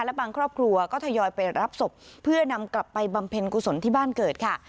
และบางครอบครัวก็ทยอยไปรับศพเพื่อนำกลับไปบำเพ็ญกุศลที่บ้านเกิดค่ะ